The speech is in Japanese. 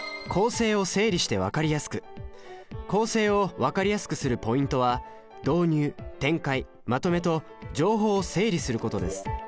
次は構成を分かりやすくするポイントは「導入」「展開」「まとめ」と情報を整理することです。